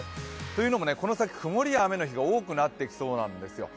というのも、この先、曇りや雨の日が多くなってきそうなんですよ。